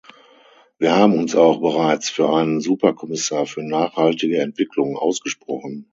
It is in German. Wir haben uns auch bereits für einen Superkommissar für nachhaltige Entwicklung ausgesprochen.